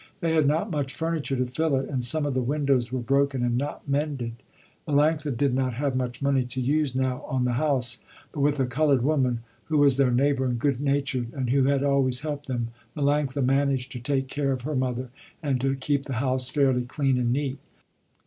They had not much furniture to fill it and some of the windows were broken and not mended. Melanctha did not have much money to use now on the house, but with a colored woman, who was their neighbor and good natured and who had always helped them, Melanctha managed to take care of her mother and to keep the house fairly clean and neat.